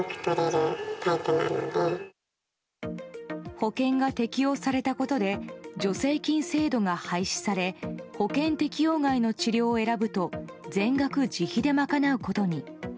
保険が適用されたことで助成金制度が廃止され保険適用外の治療を選ぶと全額自費で賄うことに。